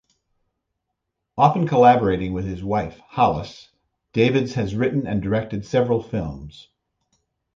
Often collaborating with his wife, Hollace, Davids has written and directed several films.